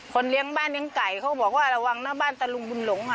เลี้ยงบ้านเลี้ยงไก่เขาบอกว่าระวังนะบ้านตะลุงบุญหลงค่ะ